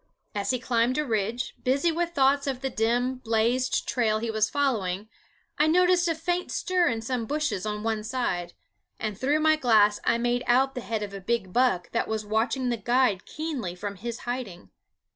As he climbed a ridge, busy with thoughts of the dim blazed trail he was following, I noticed a faint stir in some bushes on one side, and through my glass I made out the head of a big buck that was watching the guide keenly from his hiding.